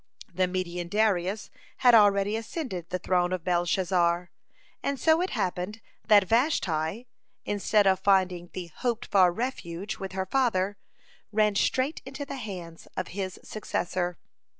The Median Darius had already ascended the throne of Belshazzar, and so it happened that Vashti, instead of finding the hoped for refuge with her father, ran straight into the hands of his successor.